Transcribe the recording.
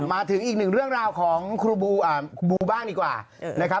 มาถึงอีกหนึ่งเรื่องราวของครูบลูอ่าบลูบ้างดีกว่า